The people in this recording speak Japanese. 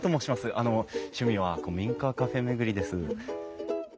あの趣味は古民家カフェ巡りです。